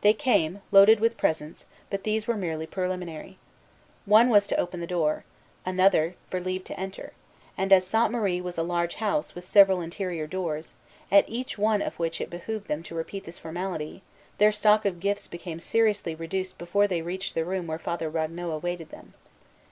They came, loaded with presents; but these were merely preliminary. One was to open the door, another for leave to enter; and as Sainte Marie was a large house, with several interior doors, at each one of which it behooved them to repeat this formality, their stock of gifts became seriously reduced before they reached the room where Father Ragueneau awaited them.